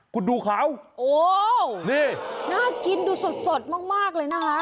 คุณดูเขานี่โอ้น่ากินดูสดมากเลยนะฮะ